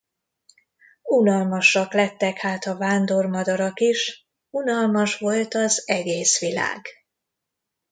Unalmasak lettek hát a vándormadarak is, unalmas volt az egész világ.